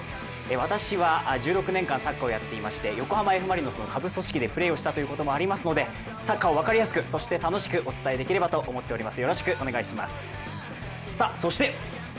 私は１６年間サッカーをやっていまして横浜Ｆ・マリノスの下部組織でプレーをしたこともありますのでサッカーを分かりやすく、そして楽しくお伝えできればと思っております。